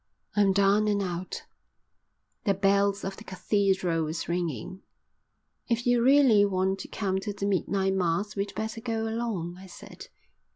I'm down and out." The bells of the Cathedral were ringing. "If you really want to come to the midnight mass we'd better go along," I said.